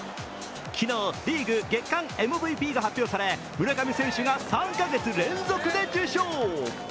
昨日、リーグ月間ＭＶＰが発表され村上選手が３か月連続で受賞。